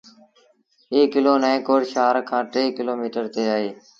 ايٚ ڪلو نئيٚن ڪوٽ شآهر کآݩ ٽي ڪلوميٚٽر تي اهي۔